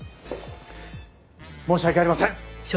申し訳ありません！